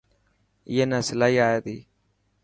اي نا سلائي آئي تي.